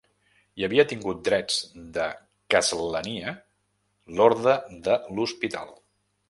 Hi havia tingut drets de castlania l'Orde de l'Hospital.